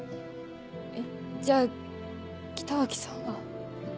えっじゃあ北脇さんは。